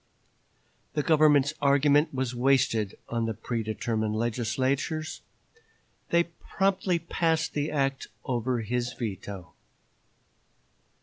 The Governor's argument was wasted on the predetermined legislators. They promptly passed the act over his veto.